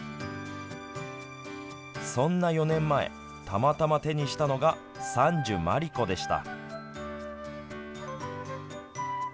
そんな４年前たまたま手にしたのが傘寿まり子でした。